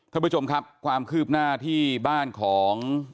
ท่านผู้ชมครับความคืบหน้าที่บ้านของ